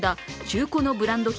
中古のブランド